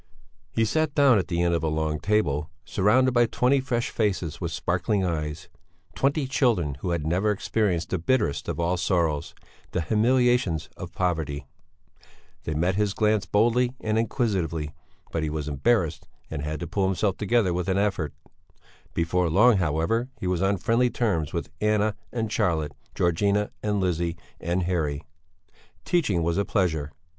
He sat down at the end of a long table, surrounded by twenty fresh faces with sparkling eyes; twenty children who had never experienced the bitterest of all sorrows, the humiliations of poverty; they met his glance boldly and inquisitively, but he was embarrassed and had to pull himself together with an effort; before long, however, he was on friendly terms with Anna and Charlotte, Georgina and Lizzy and Harry; teaching was a pleasure.